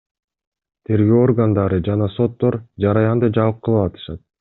Тергөө органдары жана соттор жараянды жабык кылып атышат.